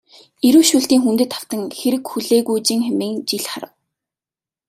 Эрүү шүүлтийн хүндэд автан хэрэг хүлээгүүжин хэмээн жил харав.